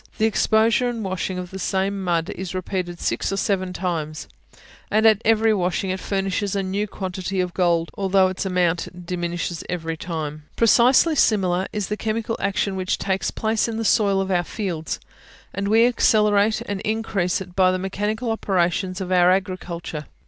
The exposure and washing of the same mud is repeated six or seven times, and at every washing it furnishes a new quantity of gold, although its amount diminishes every time. Precisely similar is the chemical action which takes place in the soil of our fields; and we accelerate and increase it by the mechanical operations of our agriculture.